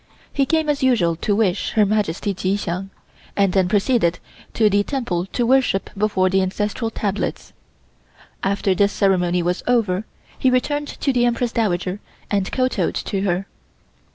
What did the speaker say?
He came as usual to wish Her Majesty Chi Hsiang and then proceeded to the temple to worship before the ancestral tablets. After this ceremony was over he returned to the Empress Dowager and kowtowed to her.